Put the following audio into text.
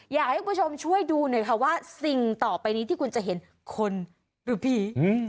อยากให้คุณผู้ชมช่วยดูหน่อยค่ะว่าสิ่งต่อไปนี้ที่คุณจะเห็นคนหรือผี